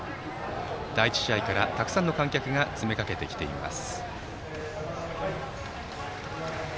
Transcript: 第１試合からたくさんの観客が詰め掛けてきています。